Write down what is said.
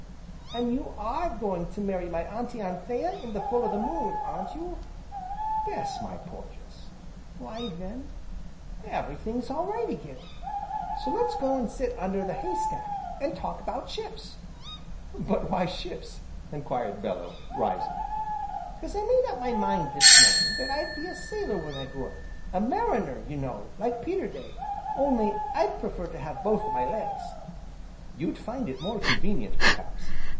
"An' you are going to marry my Auntie Anthea in the full o' the moon, aren't you?" "Yes, my Porges." "Why then everything's all right again, so let's go an' sit under the hay stack, an' talk 'bout ships." "But why of ships?" enquired Bellew, rising. "'Cause I made up my mind, this morning, that I'd be a sailor when I grow up, a mariner, you know, like Peterday, only I'd prefer to have both my legs." "You'd find it more convenient, perhaps."